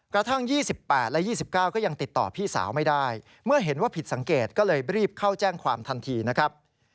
กระทั่ง๒๘และ๒๙ก็ยังติดต่อพี่สาวไม่ได้เมื่อเห็นว่าผิดสังเกตก็เลยรีบเข้าแจ้งความทันทีนะครับ